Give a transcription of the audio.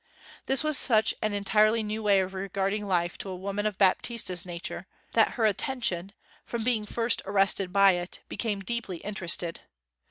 This was such an entirely new way of regarding life to a woman of Baptista's nature, that her attention, from being first arrested by it, became deeply interested.